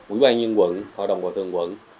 ubnd quận hội đồng bồi thường quận